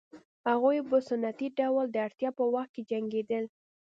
هغوی په سنتي ډول د اړتیا په وخت کې جنګېدل